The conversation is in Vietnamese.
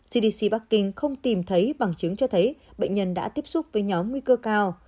cdc bắc kinh không tìm thấy bằng chứng cho thấy bệnh nhân đã tiếp xúc với nhóm nguy cơ cao